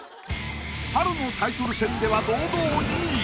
春のタイトル戦では堂々２位。